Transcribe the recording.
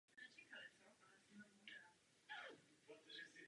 Mám zde některé statistiky týkající se naší práce.